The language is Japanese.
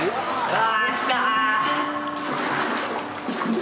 あぁ、来た！